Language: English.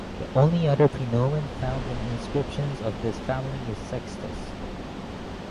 The only other praenomen found in inscriptions of this family is "Sextus".